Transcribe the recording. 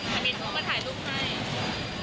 อาเมนเขาก็ถ่ายรูปให้